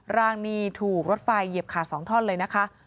ร่างนี้ถูกรถไฟเหยียบขาด๒ท่อนเลยนะคะ